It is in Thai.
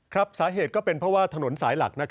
สาเหตุก็เป็นเพราะว่าถนนสายหลัก